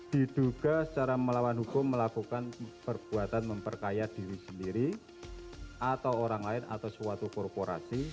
diduga secara melawan hukum melakukan perbuatan memperkaya diri sendiri atau orang lain atau suatu korporasi